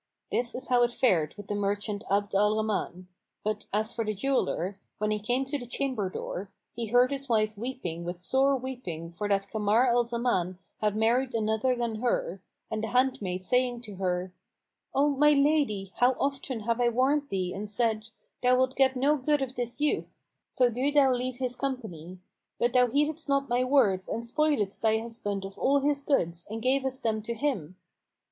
This is how it fared with the merchant Abd al Rahman; but as for the jeweller, when he came to the chamber door, he heard his wife weeping with sore weeping for that Kamar al Zaman had married another than her, and the handmaid saying to her, "O my lady, how often have I warned thee and said, 'Thou wilt get no good of this youth: so do thou leave his company.' But thou heededst not my words and spoiledst thy husband of all his goods and gavest them to him.